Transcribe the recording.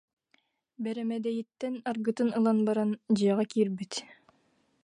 Бэрэмэдэйиттэн арыгытын ылан баран, дьиэҕэ киирбит